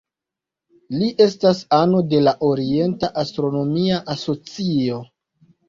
Li estas ano de la Orienta Astronomia Asocio.